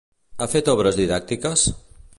Ha fet obres didàctiques?